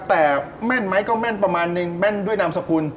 แต่แม่นไหมก็แม่นประมาณนึงแม่นด้วยนามสกุล